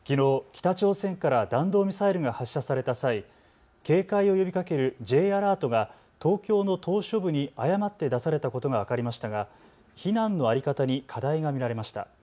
北朝鮮から弾道ミサイルが発射された際、警戒を呼びかけるＪアラートが東京の島しょ部に誤って出されたことが分かりましたが避難の在り方に課題が見られました。